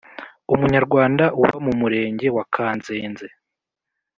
Umunyarwanda uba mu Murenge wa Kanzenze